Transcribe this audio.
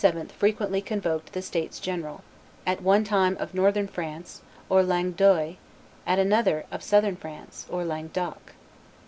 very frequently convoked the states general, at one time of Northern France, or Langue d'oil, at another of Southern France, or Langue d'oc.